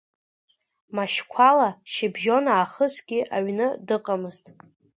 Машьқәала шьыбжьон аахысгьы аҩны дыҟамызт.